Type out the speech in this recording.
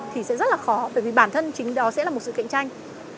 thì sẽ rất là khó bởi vì bản thân chính đó sẽ là một sự cạnh tranh